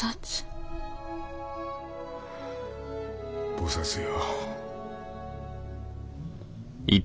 菩薩よ。